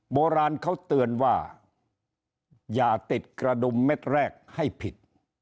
โบราณเขาเตือนว่าอย่าติดกระดุมเม็ดแรกให้ผิด